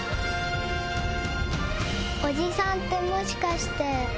おじさんってもしかして。